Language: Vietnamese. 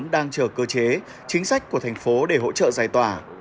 đang chờ cơ chế chính sách của thành phố để hỗ trợ giải tỏa